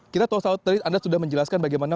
kita tahu saud tadi anda sudah menjelaskan bagaimana